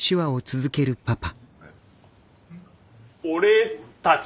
俺たち？